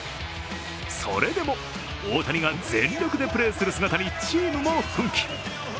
それでも大谷が全力でプレーする姿にチームも奮起。